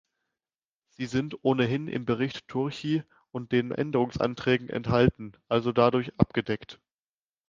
Sie sind ohnehin im Bericht Turchi und den Änderungsanträgen enthalten, also dadurch abgedeckt.